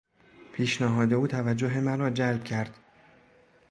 پیشنهاد او توجه مرا جلب کرد.